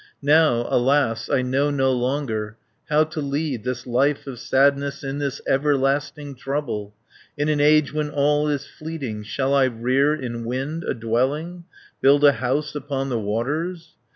"Now, alas, I know no longer How to lead this life of sadness In this everlasting trouble, In an age when all is fleeting. Shall I rear in wind a dwelling, Build a house upon the waters?